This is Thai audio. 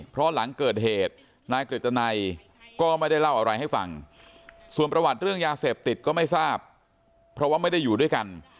เพราะหลังเกิดเหตุนายกฤตนัยก็ไม่ได้เล่าอะไรให้ฟังส่วนประวัติเรื่องยาเสพติดก็ไม่ทราบเพราะว่าไม่ได้อยู่ด้วยกัน